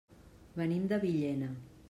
Venim de Villena.